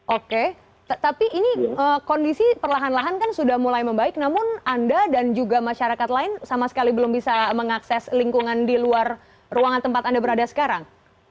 oke tapi ini kondisi perlahan lahan kan sudah mulai membaik namun anda dan juga masyarakat lain sama sekali belum bisa mengakses lingkungan di luar ruangan tempat anda berada sekarang